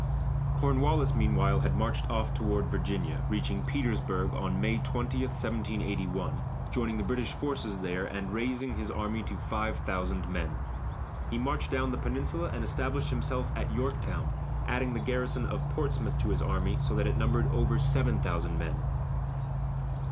Cornwallis, meanwhile, had marched off toward Virginia, reaching Petersburg May 20, 1781, joining the British forces there and raising his army to five thousand men. He marched down the peninsula and established himself at Yorktown, adding the garrison of Portsmouth to his army, so that it numbered over seven thousand men.